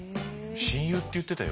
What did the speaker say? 親友って言ってたよ